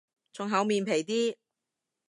仲厚面皮啲